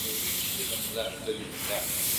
له امیانو لاري ورکي له مُلا تللی کتاب دی؛